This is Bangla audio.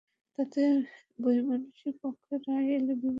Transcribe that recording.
তাতে বৈমানিকদের পক্ষে রায় এলে বিমান কর্তৃপক্ষ নিম্ন আদালতে আপিল করে।